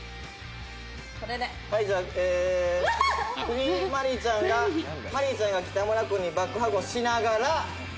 藤井マリーちゃんがマリーちゃんが北村君にバックハグをしながら。